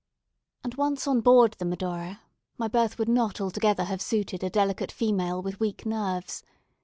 And once on board the "Medora," my berth would not altogether have suited a delicate female with weak nerves.